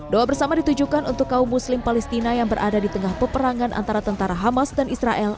doa bersama ditujukan untuk kaum muslim palestina yang berada di tengah peperangan antara tentara hamas dan israel